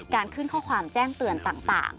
ขึ้นข้อความแจ้งเตือนต่าง